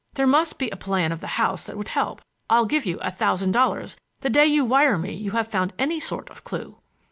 There must he a plan of the house that would help. I'll give you a thousand dollars the day you wire me you have found any sort of clue."